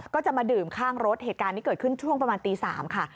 ก็จะมาดื่มข้างรถเหตุการณ์นี้เกิดขึ้นช่วงประมาณตี๓ค่ะ